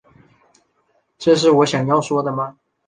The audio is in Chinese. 这是我想要说的吗